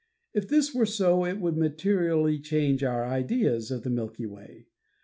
If this were so it would materially change our ideas of the Milky Way.